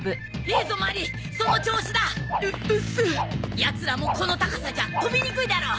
奴らもこの高さじゃ跳びにくいだろ。